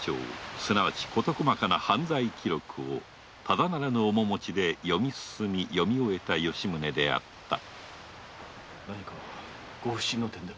つまり事細かな犯罪記録を常ならぬ面持ちで読みすすみ読み終えた吉宗であった何かご不審の点でも？